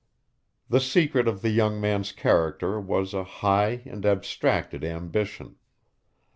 The secret of the young man's character was a high and abstracted ambition.